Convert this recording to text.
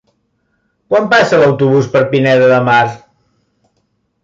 Quan passa l'autobús per Pineda de Mar?